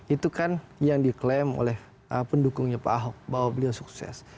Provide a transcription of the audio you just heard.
itu kan yang diklaim oleh pendukungnya pak ahok bahwa beliau sukses